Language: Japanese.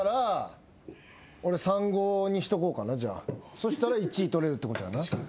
そしたら１位取れるってことやな。